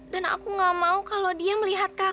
dan aku gak mau kalau dia melihat kakak